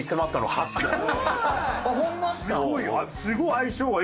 すごいよ。